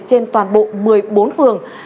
trên toàn bộ một mươi bốn phường